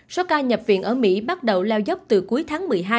sô ca nhập viện ở mỹ bắt đầu leo dốc từ cuối tháng một mươi hai